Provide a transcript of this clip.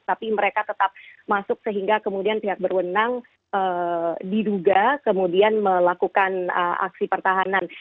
tapi mereka tetap masuk sehingga kemudian pihak berwenang diduga kemudian melakukan aksi pertahanan